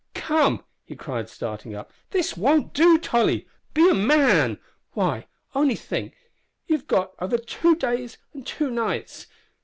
"Come!" he cried, starting up. "This won't do, Tolly. Be a man! Why, only think you have got over two days and two nights.